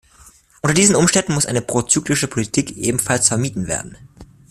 Unter diesen Umständen muss eine prozyklische Politik ebenfalls vermieden werden.